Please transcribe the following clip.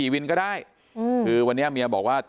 วันเนี้ยเมียบอกว่า